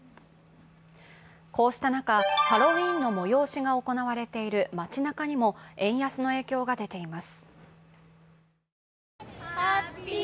こうした中、ハロウィーンの催しが行われている街なかにも円安の影響が出ています。